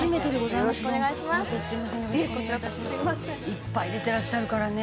いっぱい出てらっしゃるからね